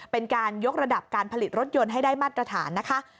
เป็นการยกระดับการผลิตรถยนต์ให้ได้มาตรฐานนะคะ